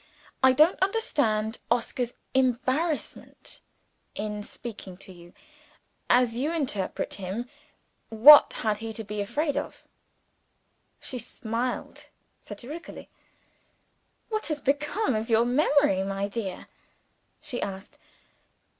"I don't understand Oscar's embarrassment in speaking to you. As you interpret him, what had he to be afraid of?" She smiled satirically. "What has become of your memory, my dear?" she asked.